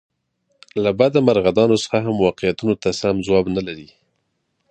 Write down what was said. له بده مرغه دا نسخه هم واقعیتونو ته سم ځواب نه لري.